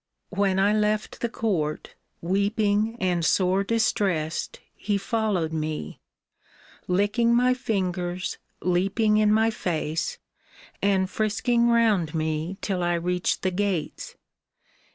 When I left the court. Weeping and sore distressed, he followed me, Licking my fingers, leaping in my face, And frisking round me till I reached the gates.